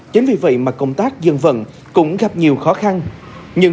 chính vì vậy mà công tác dân vận cũng gặp nhiều khó khăn